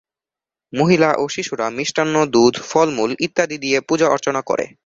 মহিলা ও শিশুরা মিষ্টান্ন, দুধ, ফলমূল ইত্যাদি দিয়ে পূজা-অর্চনা করে।